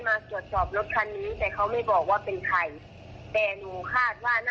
เขาบอกว่ามีอีกปลายนะครับเขาให้มาจัดจอบรถคันนี้